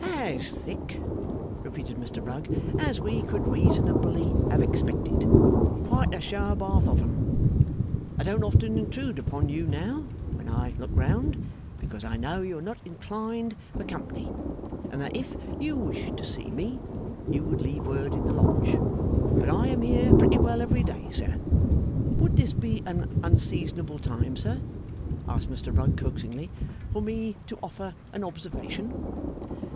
'As thick,' repeated Mr Rugg, 'as we could reasonably have expected. Quite a shower bath of 'em. I don't often intrude upon you now, when I look round, because I know you are not inclined for company, and that if you wished to see me, you would leave word in the Lodge. But I am here pretty well every day, sir. Would this be an unseasonable time, sir,' asked Mr Rugg, coaxingly, 'for me to offer an observation?